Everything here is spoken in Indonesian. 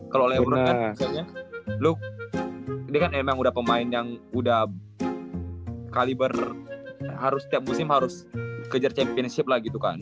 kalo lebron kan kayaknya lu dia kan emang udah pemain yang udah kaliber harus tiap musim harus kejar championship lah gitu kan